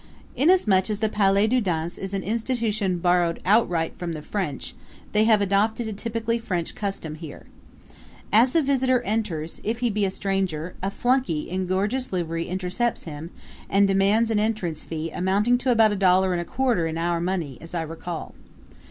Inasmuch as the Palais du Danse is an institution borrowed outright from the French they have adopted a typically French custom here. As the visitor enters if he be a stranger a flunky in gorgeous livery intercepts him and demands an entrance fee amounting to about a dollar and a quarter in our money, as I recall.